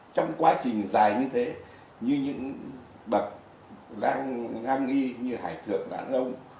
trong quá trình dài như thế như những bậc đang ngang nghi như hải thượng lãng âu